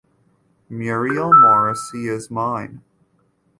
Muriel Morrissey is mine.